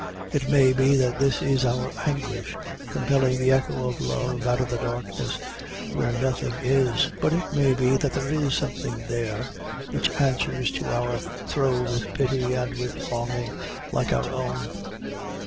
It may be that this is our anguish compelling the echo of love out of the darkness where nothing is, but it may be that there is something there which answers to our throe with pity and with longing like our own.